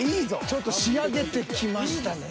ちょっと仕上げてきましたね。